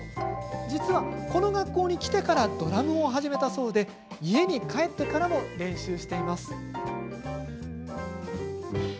実は、この学校に来てからドラムを始めたそうで家に帰ってからも練習しています。